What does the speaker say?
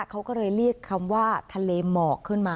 เขาก็เลยเรียกคำว่าทะเลหมอกขึ้นมา